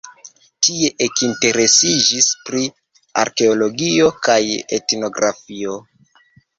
Tie ekinteresiĝis pri arkeologio kaj etnografio.